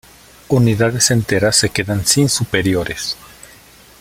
Unidades enteras se quedan sin superiores.